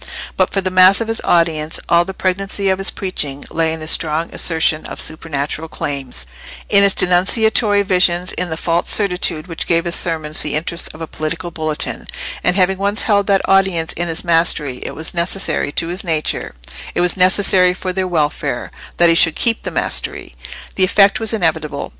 But for the mass of his audience all the pregnancy of his preaching lay in his strong assertion of supernatural claims, in his denunciatory visions, in the false certitude which gave his sermons the interest of a political bulletin; and having once held that audience in his mastery, it was necessary to his nature—it was necessary for their welfare—that he should keep the mastery. The effect was inevitable.